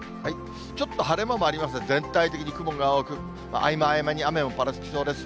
ちょっと晴れ間もありますね、全体的に雲が多く、合間合間に雨がぱらつきそうです。